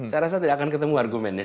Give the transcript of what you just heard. saya rasa tidak akan ketemu argumennya